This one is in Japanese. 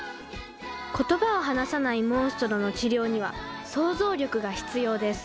言葉を話さないモンストロの治療には想像力が必要です。